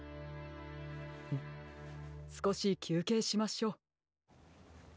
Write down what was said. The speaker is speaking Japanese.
すこしきゅうけいしましょう。